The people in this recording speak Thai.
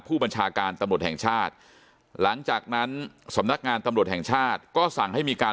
ผู้บัญชาการตำรวจแห่งชาติหลังจากนั้นสำนักงานตำรวจแห่งชาติก็สั่งให้มีการ